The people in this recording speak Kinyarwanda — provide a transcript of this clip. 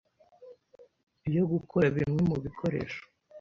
yo gukora bimwe mu bikoresho